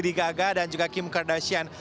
bigaga dan juga kim kardashian